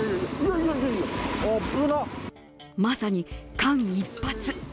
まさに間一髪。